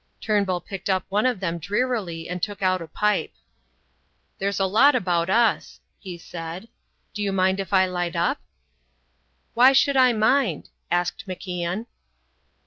Turnbull picked up one of them drearily, and took out a pipe. "There's a lot about us," he said. "Do you mind if I light up?" "Why should I mind?" asked MacIan.